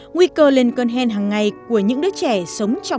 nguy cơ lên cơn hèn hàng ngày của những đứa trẻ sống trong khu vực